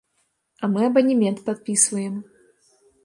А мы абанемент падпісваем.